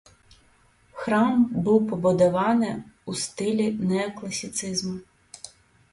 Храм быў пабудаваны ў стылі неакласіцызму.